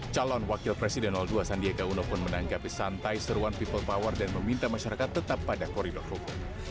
calon wakil presiden dua sandiaga uno pun menanggapi santai seruan people power dan meminta masyarakat tetap pada koridor hukum